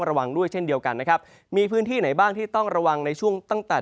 ระวังด้วยเช่นเดียวกันนะครับมีพื้นที่ไหนบ้างที่ต้องระวังในช่วงตั้งแต่